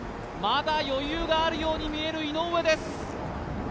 まだ余裕があるように見える井上です。